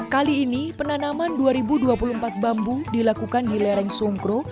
kali ini penanaman dua ribu dua puluh empat bambu dilakukan di lereng sungkro